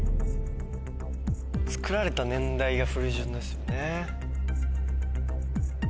作られた年代が古い順ですよね。